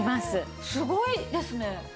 すごいですね。